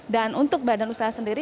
dan untuk badan usaha sendiri